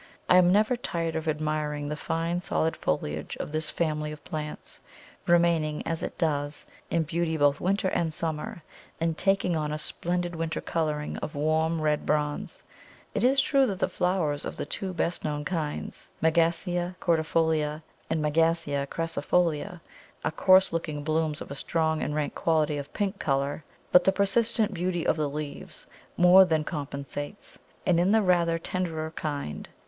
I am never tired of admiring the fine solid foliage of this family of plants, remaining, as it does, in beauty both winter and summer, and taking on a splendid winter colouring of warm red bronze. It is true that the flowers of the two best known kinds, M. cordifolia and M. crassifolia, are coarse looking blooms of a strong and rank quality of pink colour, but the persistent beauty of the leaves more than compensates; and in the rather tenderer kind, _M.